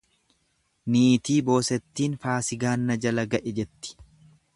Niitii boosattiin faasigaan na jala ga'e jetti.